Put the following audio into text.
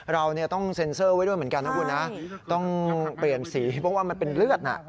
เราต้องเซ็นเซอร์ไว้ด้วยเหมือนกันนะคุณนะต้องเปลี่ยนสีเพราะว่ามันเป็นเลือดน่ะ